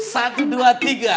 satu dua tiga